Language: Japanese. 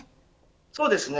そうですね。